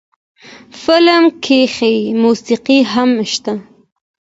فلم کښې موسيقي هم شته